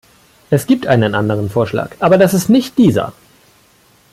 Es gibt einen anderen Vorschlag, aber das ist nicht dieser.